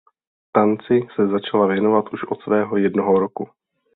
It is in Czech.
Tanci se začala věnovat už od svého jednoho roku.